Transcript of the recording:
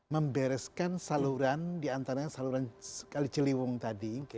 membereskan saluran di antaranya saluran sekali ciliwung tadi